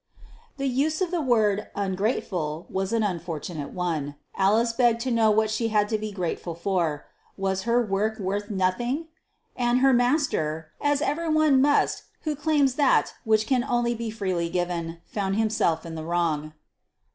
The use of the word "ungrateful" was an unfortunate one. Alice begged to know what she had to be grateful for. Was her work worth nothing? And her master, as every one must who claims that which can only be freely given, found himself in the wrong.